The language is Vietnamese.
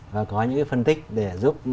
và có những cái phân tích để giúp